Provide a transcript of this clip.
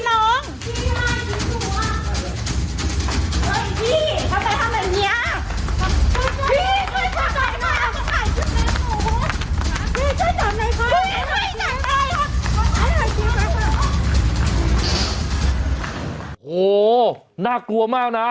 โอ้โหน่ากลัวมากนะ